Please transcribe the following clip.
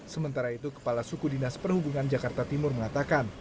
sementara itu kepala suku dinas perhubungan jakarta timur mengatakan